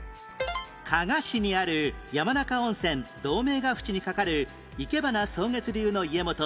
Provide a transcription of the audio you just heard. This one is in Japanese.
加賀市にある山中温泉道明が淵に架かるいけばな草月流の家元